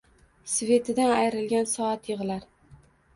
Svetidan ayrilgan soat yig‘lar